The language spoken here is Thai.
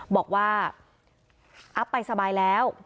บอกว่าอัพไปสบายแล้ว